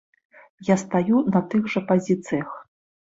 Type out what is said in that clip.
Я стаю на тых жа пазіцыях.